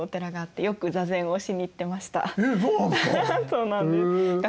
そうなんです。